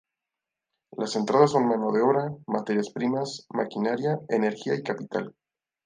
Las entradas son mano de obra, materias primas, maquinaria, energía y capital.